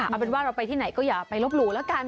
เอาเป็นว่าเราไปที่ไหนก็อย่าไปลบหลู่แล้วกัน